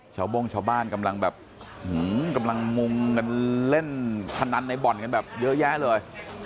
โบ้งชาวบ้านกำลังแบบกำลังมุงกันเล่นพนันในบ่อนกันแบบเยอะแยะเลย